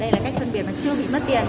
hay là cách phân biệt mà chưa bị mất tiền